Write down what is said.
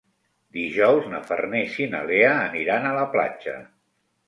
Dijous na Farners i na Lea aniran a la platja.